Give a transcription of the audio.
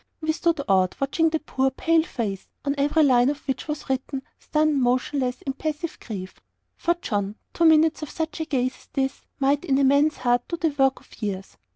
We stood awed, watching that poor, pale face, on every line of which was written stunned, motionless, impassive grief. For John two minutes of such a gaze as his might in a man's heart do the work of years.